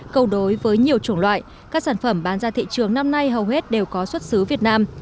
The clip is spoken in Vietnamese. cầu đối với nhiều chủng loại các sản phẩm bán ra thị trường năm nay hầu hết đều có xuất xứ việt nam